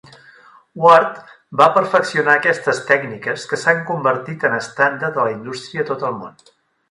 Ward va perfeccionar aquestes tècniques que s'han convertit en estàndard de la indústria a tot el món.